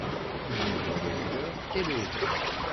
Il mesure de longueur et de hauteur.